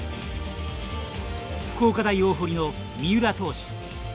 福岡大大濠の三浦投手。